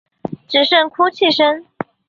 只剩哭泣声